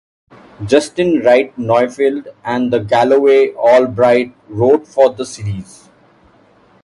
Justin Wright Neufeld and Galloway Allbright wrote for the series.